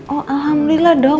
oh alhamdulillah dong